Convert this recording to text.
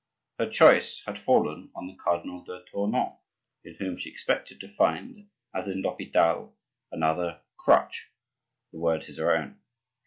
Her choice had fallen on the Cardinal de Tournon, in whom she expected to find, as in l'Hopital, another crutch—the word is her own.